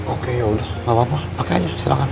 oke yaudah nggak apa apa pakai aja silahkan